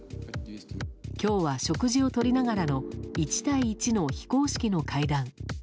今日は食事をとりながら１対１の非公式の会談。